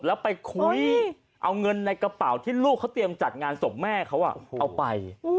แล้วไปคุยเอาเงินในกระเป๋าที่ลูกเขาเตรียมจัดงานศพแม่เขาเอาไป